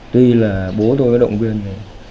tuy là bố tôi đã động viên